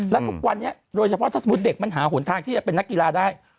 และทุกวันนี้โดยเฉพาะถ้าสมมุติเด็กมันหาหนทางที่จะเป็นนักกีฬาได้